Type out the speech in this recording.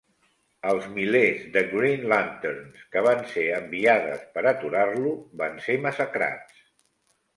Els milers de Green Lanterns que van ser enviades per aturar-lo van ser massacrats.